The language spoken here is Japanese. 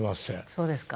そうですか？